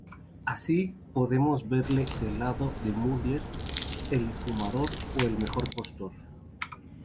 Así, podremos verle del lado de Mulder, el Fumador o el mejor postor.